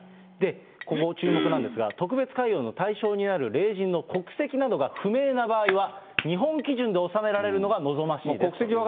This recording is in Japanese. ここ、注目なんですが、特別解怨の対象になる霊人の国籍などが不明な場合は、日本基準で納められるのが望ましいですということです。